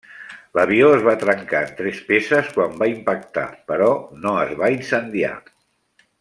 L'avió es va trencar en tres peces quan va impactar, però no es va incendiar.